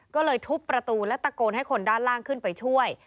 ก็เลยทุบประตูและตะโกนให้คนด้านล่างขึ้นไปช่วย